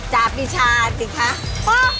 จ้าปีชาสิคะ